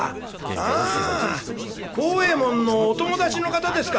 「ああ孝右衛門のお友達の方ですか」。